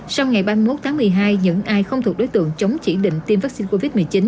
sau ngày ba mươi một tháng một mươi hai những ai không thuộc đối tượng chống chỉ định tiêm vaccine covid một mươi chín